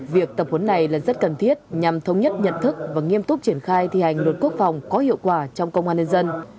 việc tập huấn này là rất cần thiết nhằm thống nhất nhận thức và nghiêm túc triển khai thi hành luật quốc phòng có hiệu quả trong công an nhân dân